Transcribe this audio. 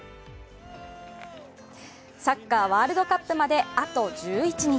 サッカー・ワールドカップまであと１１日。